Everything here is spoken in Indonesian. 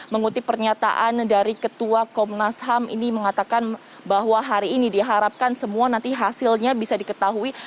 mengutip pernyataan dari ketua komnas ham ini mengatakan bahwa hari ini diharapkan semua nanti hasilnya bisa diketahui